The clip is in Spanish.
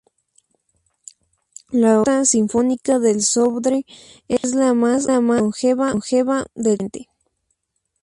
La Orquesta Sinfónica del Sodre es la más longeva del continente.